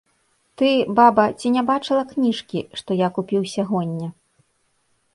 Ты, баба, ці не бачыла кніжкі, што я купіў сягоння?